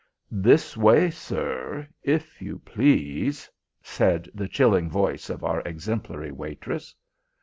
"This way, sir, if you please," said the chilling voice of our exemplary waitress.